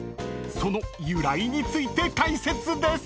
［その由来について解説です］